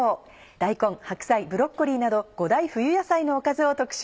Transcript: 大根白菜ブロッコリーなど５大冬野菜のおかずを特集。